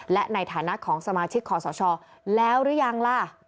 และในฐานะของสมาชิกขอสชแล้วหรือยังล่ะ